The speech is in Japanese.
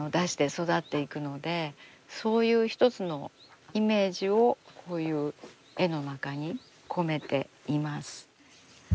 そういう一つのイメージをこういう絵の中に込めています。